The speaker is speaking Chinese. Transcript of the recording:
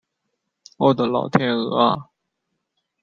我的老天鹅啊